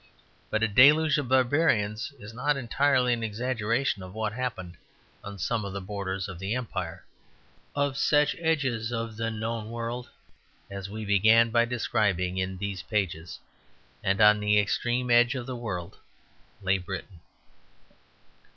But a deluge of barbarians is not entirely an exaggeration of what happened on some of the borders of the Empire; of such edges of the known world as we began by describing in these pages. And on the extreme edge of the world lay Britain.